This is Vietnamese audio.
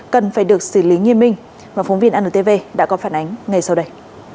cần phải được xử lý nghiêm minh mà phóng viên antv đã có phản ánh ngay sau đây